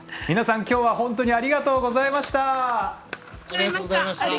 皆さん、きょうは本当にありがとうございました。